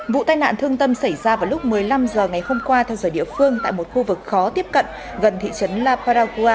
vụ tai nạn thương tâm xảy ra vào lúc một mươi năm h ngày hôm qua theo giờ địa phương tại một khu vực khó tiếp cận gần thị trấn la paragua